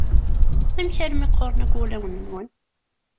Amek armi qquren akken wulawen-nwen?